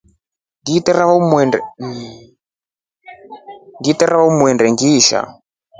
Ngiliemba umvende ngiliisha.